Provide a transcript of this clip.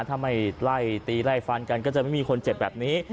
ถ้าไม่ไล่ตีไล่ฟันกันก็จะไม่มีคนเจ็บแบบนี้